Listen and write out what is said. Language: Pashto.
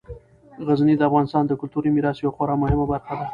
غزني د افغانستان د کلتوري میراث یوه خورا مهمه برخه ده.